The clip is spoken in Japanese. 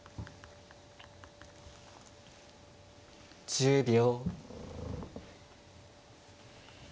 １０秒。